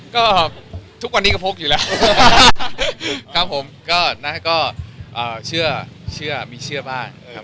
ก็ทุกวันนี้ก็พกอยู่แล้วครับผมก็เชื่อมีเชื่อบ้าง